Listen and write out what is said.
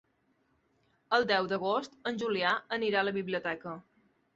El deu d'agost en Julià anirà a la biblioteca.